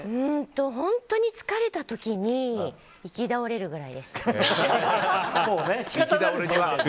本当に疲れた時に行き倒れるぐらいですね。